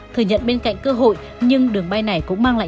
thừa nhận bên cạnh cơ hội nhưng đường bay này cũng mang lại